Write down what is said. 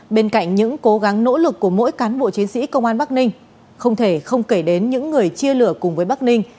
bên cạnh những cố gắng nỗ lực của mỗi cán bộ chiến sĩ công an bắc ninh không thể không kể đến những người chia lửa cùng với bắc ninh